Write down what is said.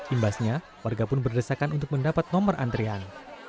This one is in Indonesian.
imbasnya warga pun berdesakan untuk mendapat nomor antrian